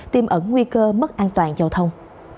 tiêm ẩn nguy cơ mất an toàn giao thông